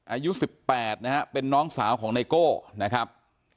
อายุสิบแปดนะครับเป็นน้องสาวของนายโก้นะครับ